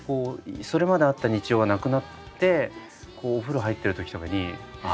それまであった日常がなくなってこうお風呂入ってる時とかにあ